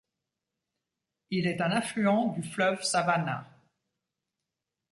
Il est un affluent du fleuve Savannah.